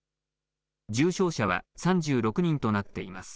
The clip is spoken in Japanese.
重症者は３６人となっています。